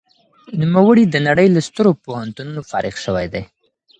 نوموړي د نړۍ له سترو پوهنتونونو فارغ شوی دی.